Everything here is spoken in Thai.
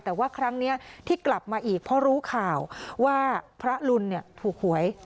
แต่ว่าครั้งนี้ที่กลับมาอีกเพราะรู้ข่าวว่าพระรุนถูกหวย